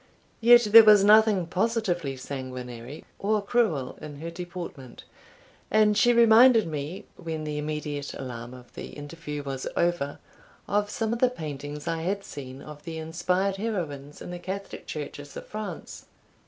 Yet there was nothing positively sanguinary, or cruel, in her deportment; and she reminded me, when the immediate alarm of the interview was over, of some of the paintings I had seen of the inspired heroines in the Catholic churches of France.